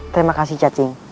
terima kasih cacim